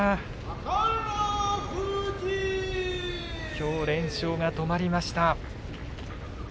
きょう連勝が止まりました。